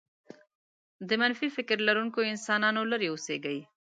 د منفي فكر لرونکو انسانانو لرې اوسېږئ.